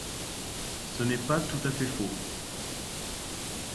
Ce n’est pas tout à fait faux